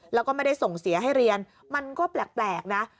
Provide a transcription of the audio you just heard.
แล้วก็ไม่ได้ส่งเสียให้เรียนมันก็แปลกนะ